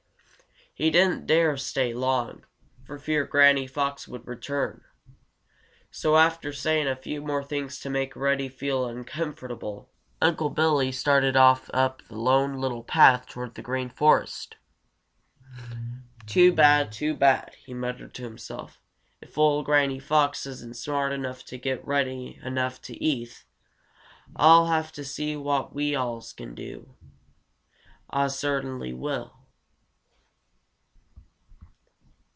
He didn't dare stay long, for fear Granny Fox would return. So, after saying a few more things to make Reddy feel uncomfortable, Unc' Billy started off up the Lone Little Path toward the Green Forest. "Too bad! Too bad!" he muttered to himself. "If ol' Granny Fox isn't smart enough to get Reddy enough to eat, Ah'll have to see what we alls can do. Ah cert'nly will."